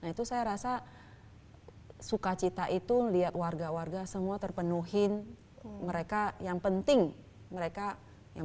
itu saya rasa sukacita itu lihat warga warga semua terpenuhin mereka yang penting mereka yang